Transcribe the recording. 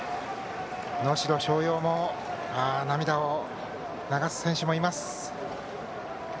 能代松陽も涙を流す選手もいます。